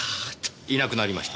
いなくなりました。